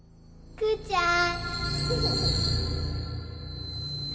クーちゃん。